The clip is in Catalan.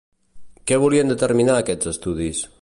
Què volien determinar aquests estudis?